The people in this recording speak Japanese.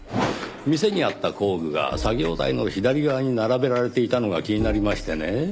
店にあった工具が作業台の左側に並べられていたのが気になりましてねぇ。